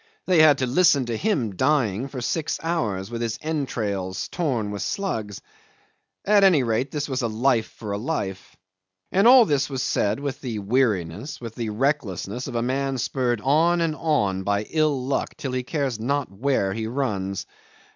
They had to listen to him dying for six hours, with his entrails torn with slugs. At any rate this was a life for a life. ... And all this was said with the weariness, with the recklessness of a man spurred on and on by ill luck till he cares not where he runs.